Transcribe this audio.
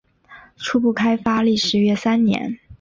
初步开发历时约三年。